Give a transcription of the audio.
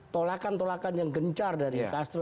tolakan tolakan yang gencar dari castro